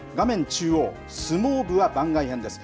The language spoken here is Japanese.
中央、相撲部は番外編です。